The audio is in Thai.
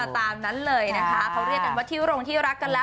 ตามนั้นเลยนะคะเขาเรียกกันว่าที่โรงที่รักกันแล้ว